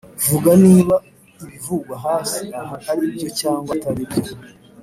Vuga niba ibivugwa hasi aha ari byo cyangwa atari byo